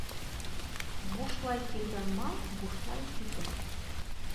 Бушлай килгән мал бушлай китә.